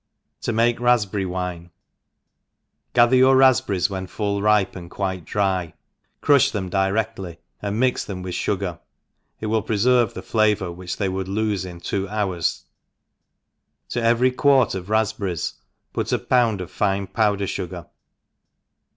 To mate Raspberry Wine, GATHER your rafpberrics when full ripe and quite dry, crufh them diredly and mix them with fugar, it will preferve the flavour which they^ould lofe in two hours } to every quaft of rafpberries put a pound of fine powder fugar, whca ENGLISH HOUSE KEEPER.